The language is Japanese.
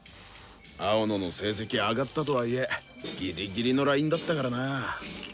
青野の成績上がったとはいえギリギリのラインだったからな。